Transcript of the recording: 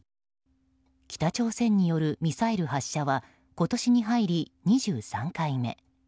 北朝鮮によるミサイル発射は今年に入り２３回目。